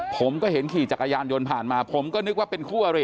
ผมก็เห็นขี่จักรยานยนต์ผ่านมาผมก็นึกว่าเป็นคู่อริ